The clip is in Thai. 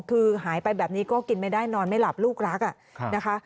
คือหายไปแบบนี้ก็กินไม่ได้นอนไม่หลับลูกรักนะคะ